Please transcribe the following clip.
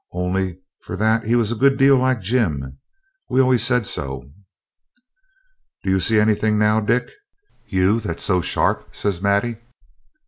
Only for that he was a good deal like Jim; we always said so.' 'Do you see anything now, Dick, you that's so sharp?' says Maddie.